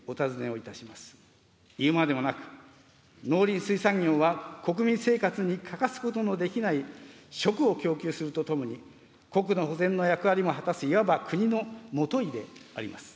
いうまでもなく、農林水産業は国民生活に欠かすことのできない食を供給するとともに、国土保全の役割も果たす、いわば国の基であります。